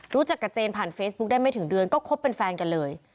รู้จักกับเจนผ่านเฟซบุ๊กได้ไม่ถึงเดือนก็คบเป็นแฟนกันเลย